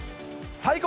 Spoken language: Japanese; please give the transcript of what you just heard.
最高！